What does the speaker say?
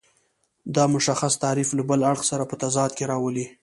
دا متشخص تعریف له بل اړخ سره په تضاد کې راولي.